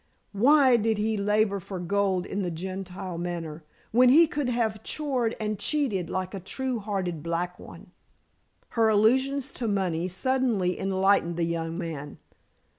"Why did he labor for gold in the Gentile manner, when he could have chored and cheated like a true hearted black one?" Her allusions to money suddenly enlightened the young man.